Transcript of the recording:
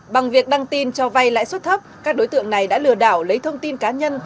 bằng việc đăng tin cho vay lãi suất thấp các đối tượng này đã lừa đảo lấy thông tin cá nhân